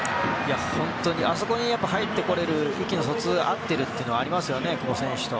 本当に、あそこに入ってこれる意思の疎通が合っているというのもありますよね、久保選手と。